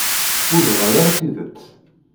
Ur bɣan ara tidet.